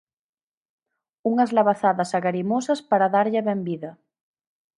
Unhas labazadas agarimosas para darlle a benvida.